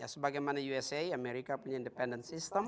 sebagai mana usa amerika punya independen sistem